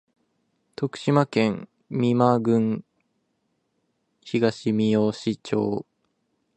徳島県美馬郡東みよし町